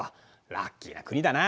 ラッキーな国だな。